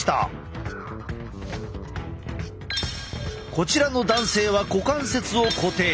こちらの男性は股関節を固定。